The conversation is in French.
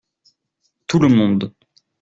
Tout le monde.